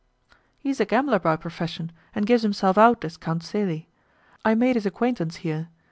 "He is a gambler by profession, and gives himself out as Count Celi. I made his acquaintance here.